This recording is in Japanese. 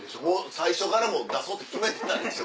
最初からもう出そうって決めてたでしょ？